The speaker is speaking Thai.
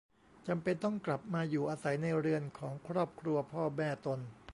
จำเป็นต้องกลับมาอยู่อาศัยในเรือนของครอบครัวพ่อแม่ตน